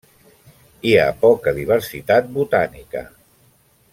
Hi ha poca diversitat botànica.